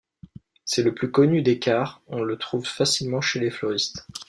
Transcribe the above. C'est le plus connu des car on le trouve facilement chez les fleuristes.